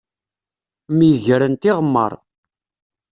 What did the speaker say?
Myegren tiɣemmaṛ.